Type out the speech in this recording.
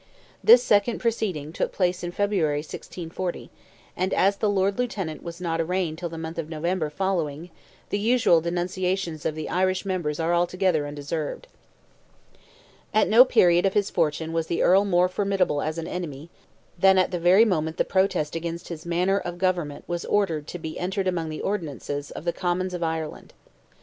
This second proceeding took place in February, 1640, and as the Lord Lieutenant was not arraigned till the month of November following, the usual denunciations of the Irish members are altogether undeserved. At no period of his fortune was the Earl more formidable as an enemy than at the very moment the Protest against "his manner of government" was ordered "to be entered among the Ordinances" of the Commons of Ireland.